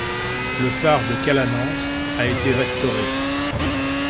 Le phare de Calanans a été restauré.